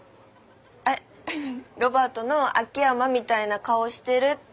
ロバートの秋山みたいな顔してるって。